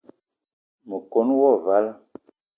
Me kon wo vala